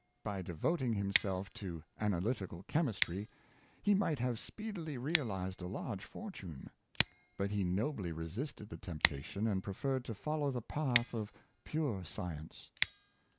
By devoting himself to analytical chemistr}^, he might have speedily realized a large fortune; but he nobly resisted the temptation, and preferred to follow the path of pure science.